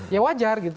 ya wajar gitu